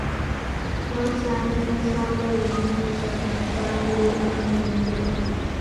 Kuba kyalinga kyabulabe nnyo okuyita ku ttambiro lya Nnende.